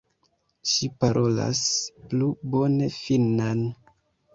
Ŝi parolas plu bone finnan.